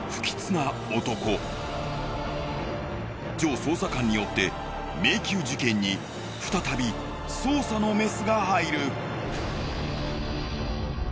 ジョー捜査官によって迷宮事件に再び捜査のメスが入る。